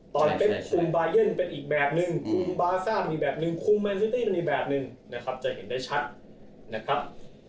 ตอนเป๊บคุมบายันเป็นอีกแบบหนึ่งคุมบาร์ซ่าเป็นอีกแบบหนึ่งคุมแมนซิตี้เป็นอีกแบบหนึ่งนะครับจะเห็นได้ชัดนะครับ